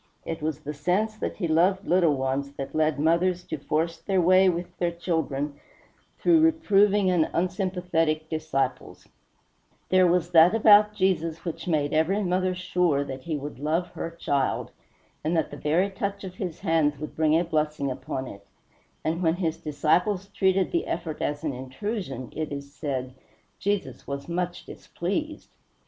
It was the sense that he loved little ones that led mothers to force their way with their infants through reproving and unsympathetic disciples; there was that about Jesus which made every mother sure that he would love her child, and that the very touch of his hands would bring a blessing upon it; and when his disciples treated the effort as an intrusion it is said "Jesus was much displeased."